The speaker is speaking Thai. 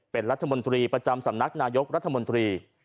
เป็นรัฐมนตรีประจำสำนักนายกรัฐมนตรี